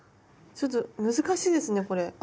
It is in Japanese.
ちょっと難しいですねこれ。